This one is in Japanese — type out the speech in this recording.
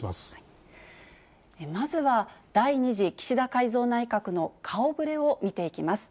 まずは、第２次岸田改造内閣の顔ぶれを見ていきます。